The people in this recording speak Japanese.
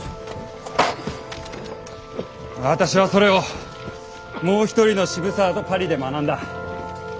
私はそれをもう一人の渋沢とパリで学んだ。